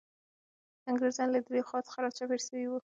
انګریزان له دریو خواوو څخه را چاپېر سوي وو.